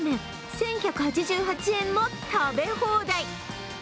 １１８８円も食べ放題。